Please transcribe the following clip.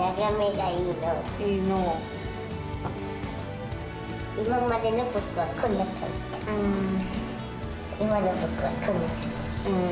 いいのう。